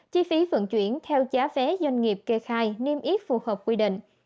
chi phí vận chuyển theo giá vé doanh nghiệp kê khai niêm yết phù hợp quy định